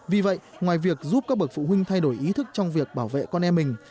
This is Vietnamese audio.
vì vậy ngoài việc giúp các bậc phụ huynh thay đổi ý thức trong việc bảo vệ con em mình